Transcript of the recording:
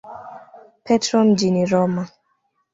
Petro mjini Roma.